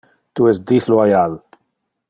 Tu es disloyal.